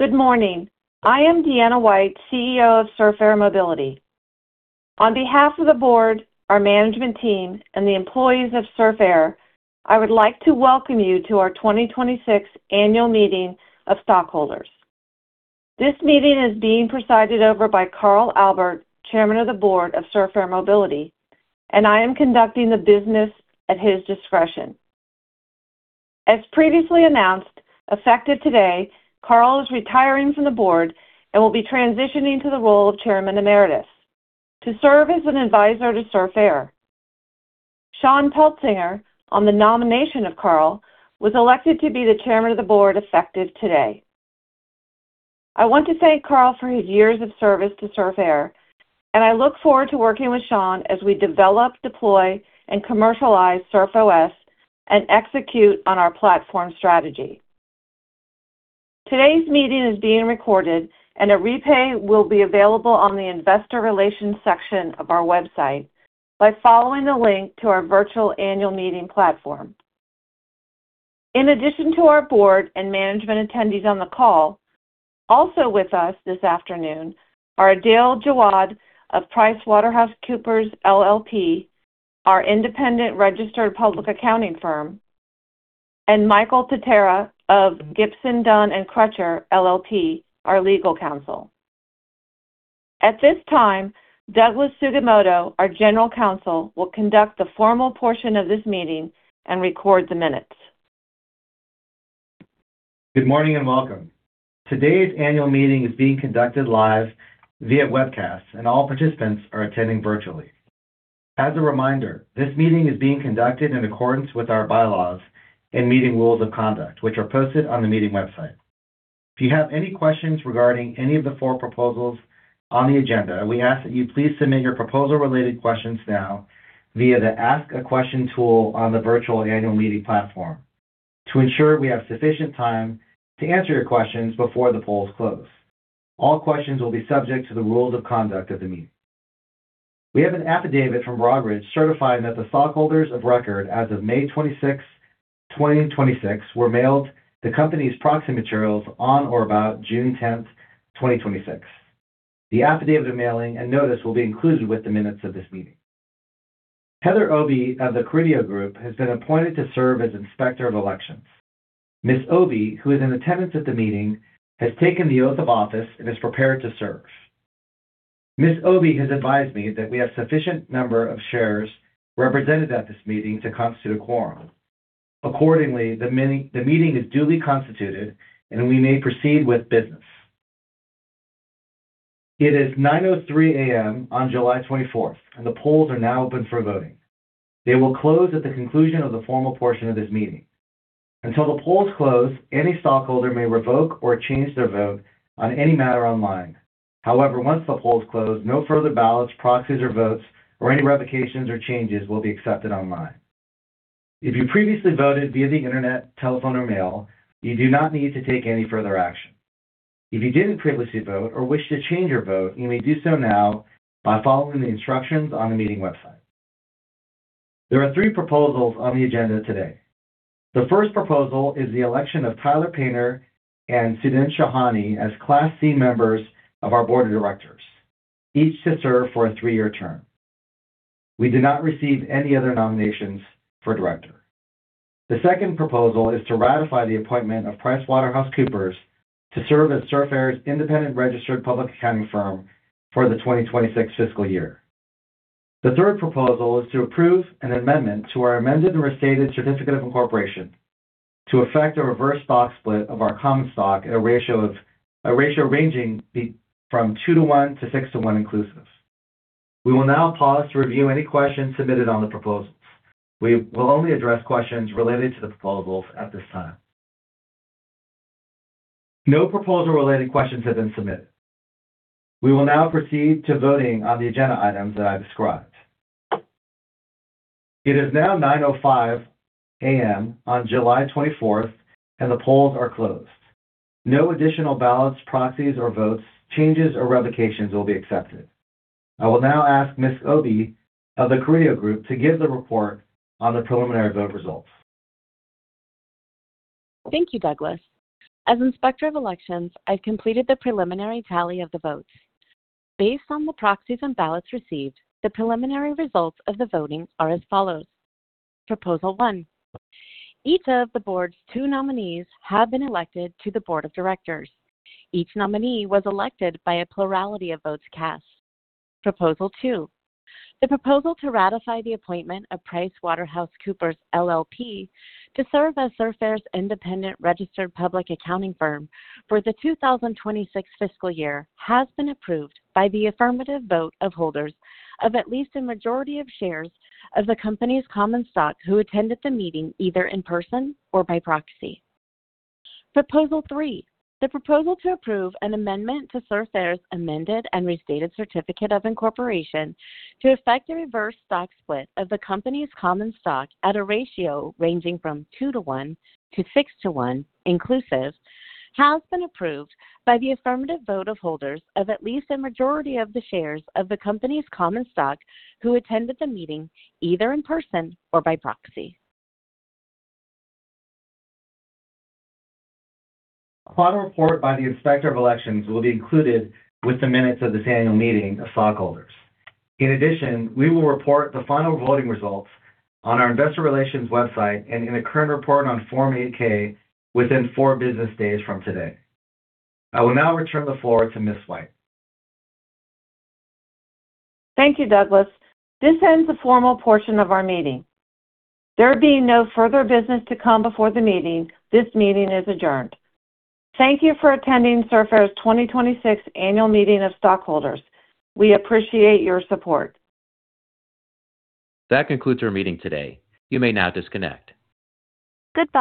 Good morning. I am Deanna White, Chief Executive Officer of Surf Air Mobility. On behalf of the Board, our management team, and the employees of Surf Air, I would like to welcome you to our 2026 annual meeting of stockholders. This meeting is being presided over by Carl Albert, Chairman of the Board of Surf Air Mobility, and I am conducting the business at his discretion. As previously announced, effective today, Carl is retiring from the Board and will be transitioning to the role of Chairman Emeritus to serve as an advisor to Surf Air. Shawn Pelsinger, on the nomination of Carl, was elected to be the Chairman of the Board effective today. I want to thank Carl for his years of service to Surf Air, and I look forward to working with Shawn as we develop, deploy, and commercialize SurfOS and execute on our platform strategy. Today's meeting is being recorded and a replay will be available on the investor relations section of our website by following the link to our virtual annual meeting platform. In addition to our Board and Management attendees on the call, also with us this afternoon are Dale Jawad of PricewaterhouseCoopers LLP, our independent registered public accounting firm, and Michael Patera of Gibson, Dunn, & Crutcher LLP, our legal counsel. At this time, Douglas Sugimoto, our General Counsel, will conduct the formal portion of this meeting and record the minutes. Good morning and welcome. Today's annual meeting is being conducted live via webcast, and all participants are attending virtually. As a reminder, this meeting is being conducted in accordance with our bylaws and meeting rules of conduct, which are posted on the meeting website. If you have any questions regarding any of the four proposals on the agenda, we ask that you please submit your proposal-related questions now via the ask a question tool on the virtual annual meeting platform to ensure we have sufficient time to answer your questions before the polls close. All questions will be subject to the rules of conduct of the meeting. We have an affidavit from Broadridge certifying that the stockholders of record as of May 26, 2026, were mailed the company's proxy materials on or about June 10, 2026. The affidavit of mailing and notice will be included with the minutes of this meeting. Heather Obi of The Carideo Group has been appointed to serve as Inspector of Elections. Ms. Obi, who is in attendance at the meeting, has taken the oath of office and is prepared to serve. Ms. Obi has advised me that we have sufficient number of shares represented at this meeting to constitute a quorum. Accordingly, the meeting is duly constituted, and we may proceed with business. It is 9:00 A.M. on July 24, and the polls are now open for voting. They will close at the conclusion of the formal portion of this meeting. Until the polls close, any stockholder may revoke or change their vote on any matter online. However, once the polls close, no further ballots, proxies, or votes or any revocations or changes will be accepted online. If you previously voted via the Internet, telephone or mail, you do not need to take any further action. If you didn't previously vote or wish to change your vote, you may do so now by following the instructions on the meeting website. There are three proposals on the agenda today. The first proposal is the election of Tyler Painter and Sudhin Shahani as Class C members of our board of directors, each to serve for a three-year term. We did not receive any other nominations for director. The second proposal is to ratify the appointment of PricewaterhouseCoopers to serve as Surf Air's independent registered public accounting firm for the 2026 fiscal year. The third proposal is to approve an amendment to our amended and restated certificate of incorporation to effect a reverse stock split of our common stock at a ratio ranging from 2 -1 to 6-1 inclusive. We will now pause to review any questions submitted on the proposals. We will only address questions related to the proposals at this time. No proposal-related questions have been submitted. We will now proceed to voting on the agenda items that I described. It is now A.M. on July 24th, and the polls are closed. No additional ballots, proxies, or votes, changes, or revocations will be accepted. I will now ask Ms. Obi of The Carideo Group to give the report on the preliminary vote results. Thank you, Douglas. As Inspector of Elections, I've completed the preliminary tally of the votes. Based on the proxies and ballots received, the preliminary results of the voting are as follows. Proposal one, each of the board's two nominees have been elected to the board of directors. Each nominee was elected by a plurality of votes cast. Proposal two, the proposal to ratify the appointment of PricewaterhouseCoopers LLP to serve as Surf Air's independent registered public accounting firm for the 2026 fiscal year has been approved by the affirmative vote of holders of at least a majority of shares of the company's common stock who attended the meeting either in person or by proxy. Proposal three, the proposal to approve an amendment to Surf Air's amended and restated certificate of incorporation to effect a reverse stock split of the company's common stock at a ratio ranging from 2-1 to 6-1 inclusive has been approved by the affirmative vote of holders of at least a majority of the shares of the company's common stock, who attended the meeting either in person or by proxy. A final report by the Inspector of Elections will be included with the minutes of this annual meeting of stockholders. In addition, we will report the final voting results on our investor relations website and in a current report on Form 8-K within four business days from today. I will now return the floor to Ms. White. Thank you, Douglas. This ends the formal portion of our meeting. There being no further business to come before the meeting, this meeting is adjourned. Thank you for attending Surf Air's 2026 annual meeting of stockholders. We appreciate your support. That concludes our meeting today. You may now disconnect. Goodbye.